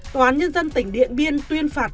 toán nhân dân tỉnh điện biên tuyên phạt